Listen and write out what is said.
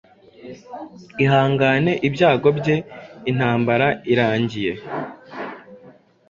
Ihangane ibyago bye intambara irangiye